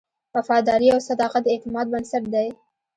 وفاداري او صداقت د اعتماد بنسټ دی.